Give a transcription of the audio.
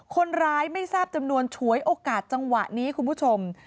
คนร้ายไม่ทราบจำนวนฉวยโอกาสจังหวะนี้คุณผู้ชม